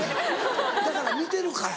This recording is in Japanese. だから見てるから。